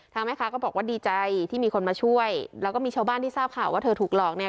แม่ค้าก็บอกว่าดีใจที่มีคนมาช่วยแล้วก็มีชาวบ้านที่ทราบข่าวว่าเธอถูกหลอกเนี่ย